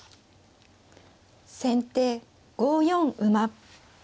先手５四馬。